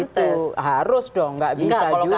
itu harus dong nggak bisa juga